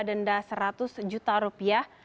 denda seratus juta rupiah